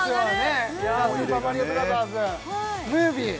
「ザ・スーパーマリオブラザーズムービー」